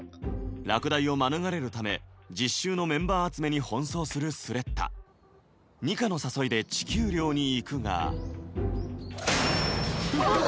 落第を免れるため実習のメンバー集めに奔走するスレッタニカの誘いで地球寮に行くがガン！